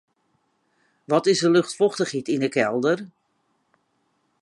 Wat is de luchtfochtichheid yn 'e kelder?